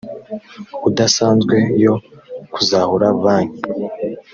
udasanzwe yo kuzahura banki